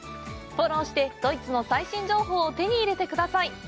フォローしてドイツの最新情報を手に入れてください。